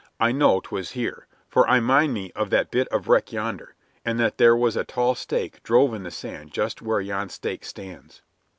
I know 'twas here, for I mind me of that bit of wreck yonder, and that there was a tall stake drove in the sand just where yon stake stands."